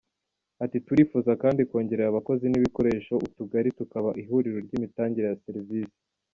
Ati “Turifuza kandi kongerera abakozi n’ibikoresho utugari tukaba ihuriro ry’imitangire ya serivisi.